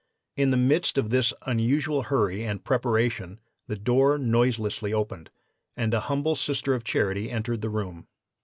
"In the midst of this unusual hurry and preparation the door noiselessly opened, and a humble Sister of Charity entered the room.